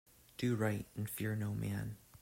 Do right and fear no man.